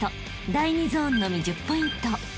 ［第２ゾーンのみ１０ポイント］